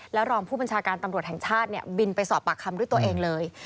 รองผู้บัญชาการตำรวจแห่งชาติบินไปสอบปากคำด้วยตัวเองเลย